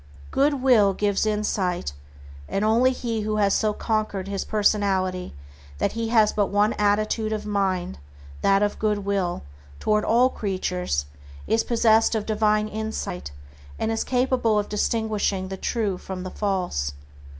"Good will gives insight," and only he who has so conquered his personality that he has but one attitude of mind, that of good will, toward all creatures, is possessed of divine insight, and is capable of distinguishing the true from the false.